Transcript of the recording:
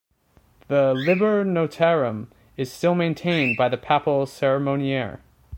The "Liber Notarum" is still maintained by the papal Ceremoniere.